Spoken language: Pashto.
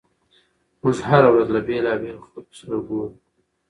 موږ هره ورځ له بېلابېلو خلکو سره ګورو.